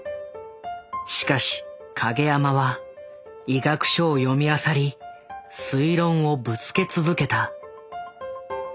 しかし影山は医学書を読みあさり推論をぶつけ続けた。